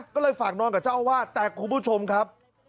ก็เลยฝากนอนกับเจ้าอาวาสแต่คุณผู้ชมครับ